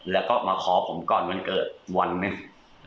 แล้วก็มาขอผมก่อนวันเกิดวันหนึ่ง